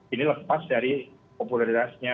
ini lepas dari populeritasnya